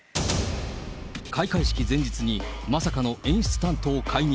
開会式前日に、まさかの演出担当解任。